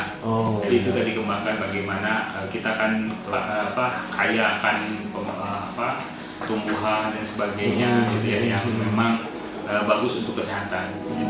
jadi itu sudah dikembangkan bagaimana kita akan kayakan tumbuhan dan sebagainya yang memang bagus untuk kesehatan